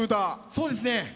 そうですね。